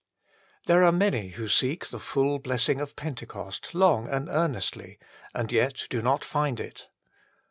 HERE are many who seek the full blessing of Pentecost long and earnestly and yet do not find it.